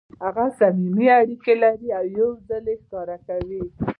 هغوی صمیمي اړیکې لري او یو ځای ښکار کوي.